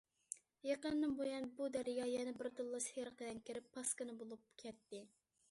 يېقىندىن بۇيان بۇ دەريا يەنە بىردىنلا سېرىق رەڭگە كىرىپ پاسكىنا بولۇپ كەتتى.